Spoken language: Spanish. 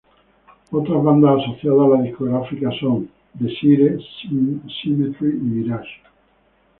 Otras bandas asociadas a la discográfica son Desire, Symmetry y Mirage.